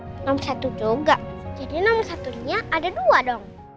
jadi nomor satu nya ada dua dong